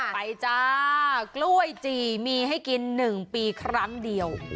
จ้ากล้วยจีมีให้กิน๑ปีครั้งเดียว